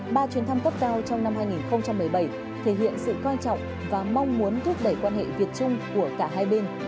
ba chuyến thăm cấp cao trong năm hai nghìn một mươi bảy thể hiện sự quan trọng và mong muốn thúc đẩy quan hệ việt trung của cả hai bên